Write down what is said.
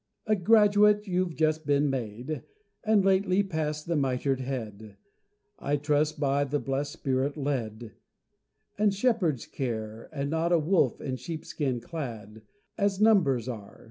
A graduate you've just been made, And lately passed the Mitred Head; I trust, by the Blest Spirit, led, And Shepherd's care: And not a wolf, in sheepskin clad, As numbers are.